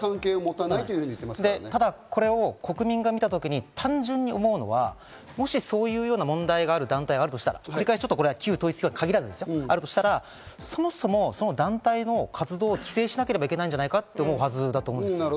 で、ただこれを国民が見たときに単純に思うのは、思想を言うような問題がある団体があるとしたら、旧統一教会に限らずですよ、そもそもその団体の活動を規制しなければいけないんじゃないかと思うはずだと思うんです。